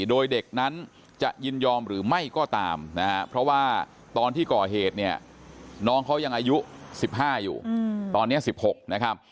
โดยเด็กนั้นจะยินยอมหรือไม่ก็ตามนะฮะเพราะว่าตอนที่ก่อเหตุเนี่ยน้องเขายังอายุ๑๕อยู่ตอนนี้๑๖นะครับ